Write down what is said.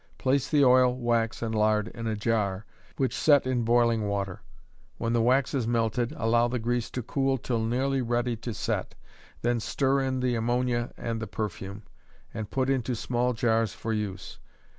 Place the oil, wax and lard in a jar, which set in boiling water; when the wax is melted, allow the grease to cool till nearly ready to set, then stir in the ammonia and the perfume, and put into small jars for use.